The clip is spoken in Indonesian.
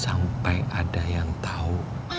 sampai ada yang tahu